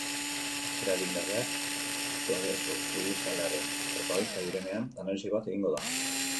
Gainera, adingabeak prozesu judizialaren protagonista direnean, analisi bat egingo da.